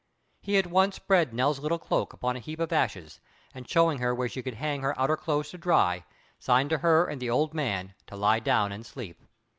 He at once spread Nell's little cloak upon a heap of ashes, and showing her where she could hang her outer clothes to dry, signed to her and the old man to lie down and sleep.